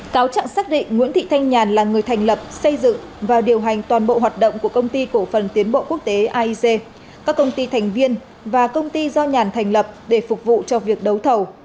cáo trạng xác định nguyễn thị thanh nhàn là người thành lập xây dựng và điều hành toàn bộ hoạt động của công ty cổ phần tiến bộ quốc tế aic các công ty thành viên và công ty do nhàn thành lập để phục vụ cho việc đấu thầu